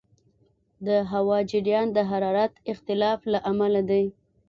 د هوا جریان د حرارت اختلاف له امله دی.